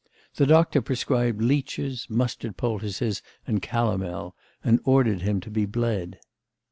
The doctor prescribed leeches, mustard poultices, and calomel, and ordered him to be bled.